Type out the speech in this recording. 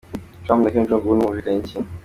Trump na Kim Jong-un bumvikanye iki?.